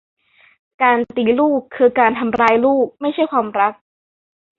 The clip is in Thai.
การตีลูกคือการทำร้ายลูก ไม่ใช่ความรัก